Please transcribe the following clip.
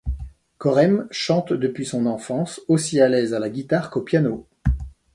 Korem chante depuis son enfance, aussi à l'aise à la guitare qu'au piano.